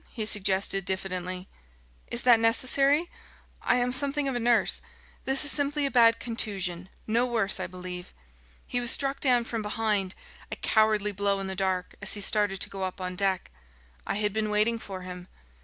he suggested diffidently. "Is that necessary? I am something of a nurse. This is simply a bad contusion no worse, I believe. He was struck down from behind, a cowardly blow in the dark, as he started to go up on deck. I had been waiting for him.